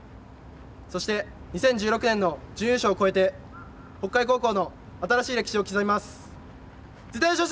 そして、２０１６年の準優勝を超えて北海高校の新しい歴史を刻みます。